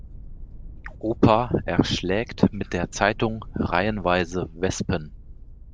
Opa erschlägt mit der Zeitung reihenweise Wespen.